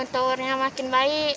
tawarnya makin baik